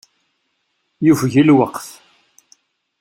Yufeg lweqt.